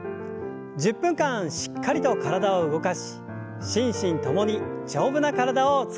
１０分間しっかりと体を動かし心身ともに丈夫な体を作りましょう。